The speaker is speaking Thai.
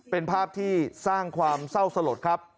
เป็นภาพที่สร้างความเศร้าสลดครับ